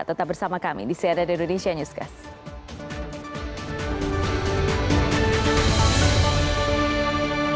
tetap bersama kami di siada di indonesia newscast